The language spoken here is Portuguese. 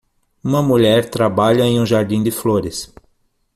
Uma mulher trabalha em um jardim de flores